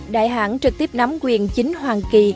đại hãng trực tiếp nắm quyền chính hoàng kỳ